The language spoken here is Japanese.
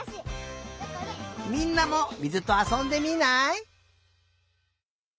みんなもみずとあそんでみない？